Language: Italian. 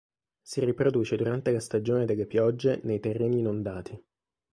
Si riproduce durante la stagione delle piogge nei terreni inondati.